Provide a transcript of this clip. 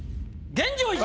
現状維持！